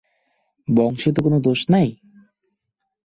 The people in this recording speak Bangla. বংশে তো কোনো দোষ নাই?